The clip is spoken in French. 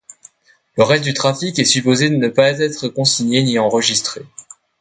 Le reste du trafic est supposé ne pas être consigné ni enregistré.